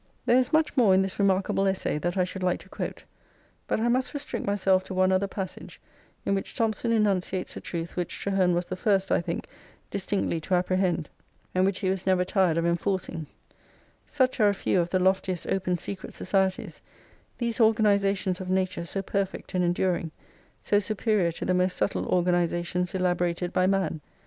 There is much more in this remarkable essay that I should hke to quote : but I must restrict myself to one other passage, in which Thomson enunciates a tnith which Traheme was the first, I think, distinctly to apprehend, and which he was never tired of en forcing :— Such are a few of the loftiest Open Secret Societies, these organisations of Nature so perfect and enduring, so superior to the most subtle organisations elaborated by man.